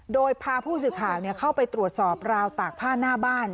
โดยพาผู้สื่อข่าวเข้าไปตรวจสอบราวตากผ้าหน้าบ้าน